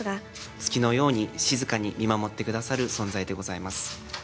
月のように静かに見守ってくださる存在でございます。